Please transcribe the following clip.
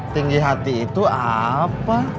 tinggi hati itu apa